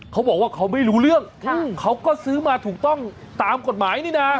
เขาบอกว่าเขาไม่รู้เรื่องเขาก็ซื้อมาถูกต้องตามกฎหมายนี่นะ